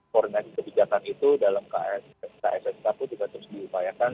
koordinasi kebijakan itu dalam ksstk itu juga terus diupayakan